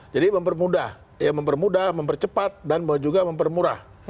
jadi mempermudah mempercepat dan juga mempermurah